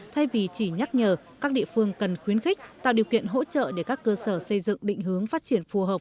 thay vì chỉ nhắc nhở các địa phương cần khuyến khích tạo điều kiện hỗ trợ để các cơ sở xây dựng định hướng phát triển phù hợp